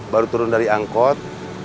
baru turun dari angkot